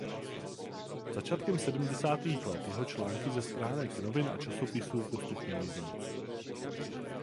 Začátkem sedmdesátých let jeho články ze stránek novin a časopisů postupně mizí.